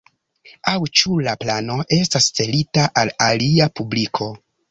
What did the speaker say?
Aŭ ĉu la plano estas celita al alia publiko?